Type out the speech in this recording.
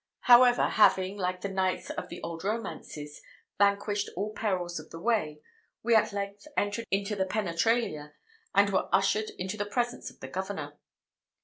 However, having, like the knights of the old romances, vanquished all perils of the way, we at length entered into the penetralia, and were ushered into the presence of the governor.